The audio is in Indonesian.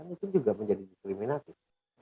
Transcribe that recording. itu juga menjadi diskriminatif